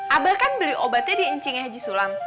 abah kan beli obatnya diencingin haji sulam